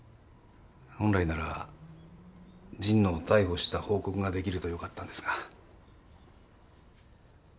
本来なら神野を逮捕した報告ができるとよかったんですが。